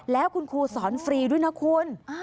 แล้วคุณครูสอนฟรีด้วยนะคุณ